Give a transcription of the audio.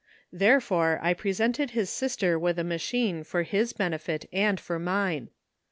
Therefore I presented his sister with a machine for his benefit and for mine.